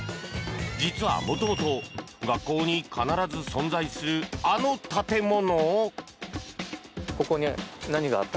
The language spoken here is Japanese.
実は、もともと学校に必ず存在するあの建物？